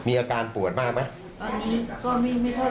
มีอาการปวดมากไหมตอนนี้ก็ไม่ไม่เท่า